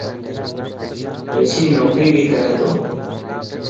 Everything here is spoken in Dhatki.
رشي نوڪري بهي ڪري ٿو.